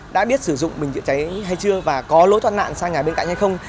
đã biết sử dụng bình chữa cháy hay chưa và có lối thoát nạn sang nhà bên cạnh hay không